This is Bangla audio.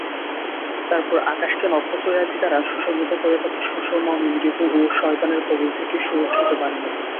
তারপর আকাশকে নক্ষত্ররাজি দ্বারা সুশোভিত করে তাকে সুষমামণ্ডিত ও শয়তানের কবল থেকে সুরক্ষিত বানিয়েছেন।